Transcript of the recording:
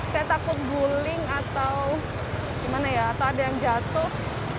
saya takut guling atau gimana ya atau ada yang jatuh